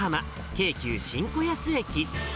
京急新子安駅。